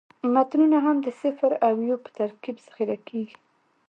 متنونه هم د صفر او یو په ترکیب ذخیره کېږي.